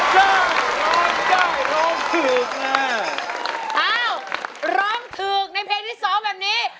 ข้าวร้องถือกในเพลงที่สองแบบนี้